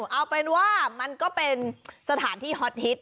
เอาเป็นว่ามันก็เป็นสถานที่ฮอตฮิต